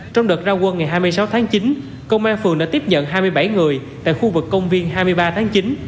trong đợt ra quân ngày hai mươi sáu tháng chín công an phường đã tiếp nhận hai mươi bảy người tại khu vực công viên hai mươi ba tháng chín